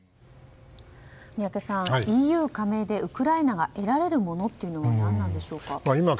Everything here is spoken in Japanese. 宮家さん、ＥＵ加盟でウクライナが得られるものって何なのでしょうか。